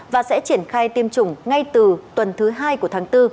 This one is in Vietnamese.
và sẽ triển khai tiêm chủng ngay từ tuần thứ hai của tháng bốn